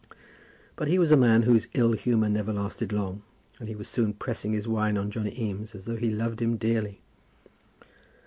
But he was a man whose ill humour never lasted long, and he was soon pressing his wine on Johnny Eames as though he loved him dearly.